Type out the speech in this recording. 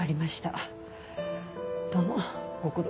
どうもご苦労さまでした。